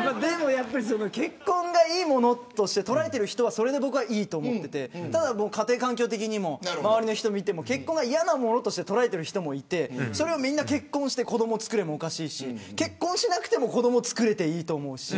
結婚がいいものと捉えている人はそれでいいと思っていてただ僕は家庭環境的にも周りの人を見ても結婚は嫌なものと捉えている人もいてそれをみんな結婚して子どもつくれもおかしいし結婚しなくても子どもつくれていいと思うし。